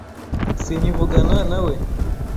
Sinkivugana nawe.